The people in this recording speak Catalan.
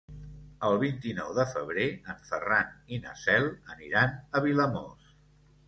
El vint-i-nou de febrer en Ferran i na Cel aniran a Vilamòs.